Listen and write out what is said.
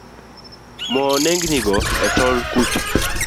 Mo nengni go e tol kucha.